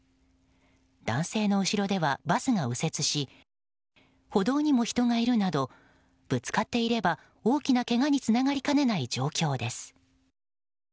男性の後ろでは、バスが右折し歩道にも人がいるなどぶつかっていれば大きなけがにつながりかねない状況です。